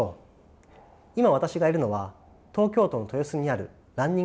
今私がいるのは東京都の豊洲にあるランニング施設です。